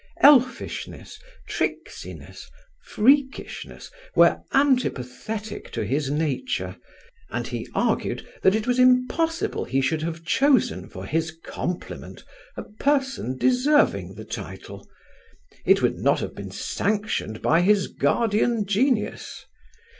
Elfishness, tricksiness, freakishness, were antipathetic to his nature; and he argued that it was impossible he should have chosen for his complement a person deserving the title. It would not have been sanctioned by his guardian genius.